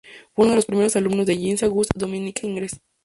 Fue uno de los primeros alumnos de Jean Auguste Dominique Ingres.